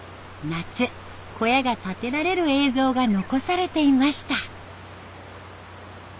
夏小屋が建てられる映像が残されていました。